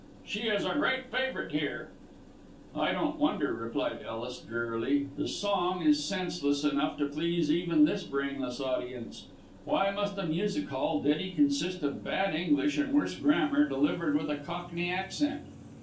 "She is a great favourite here." "I don't wonder," replied Ellis, drearily; "the song is senseless enough to please even this brainless audience. Why must a music hall ditty consist of bad English and worse grammar, delivered with a Cockney accent?